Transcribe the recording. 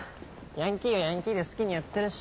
ヤンキーはヤンキーで好きにやってるし。